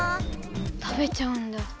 食べちゃうんだ。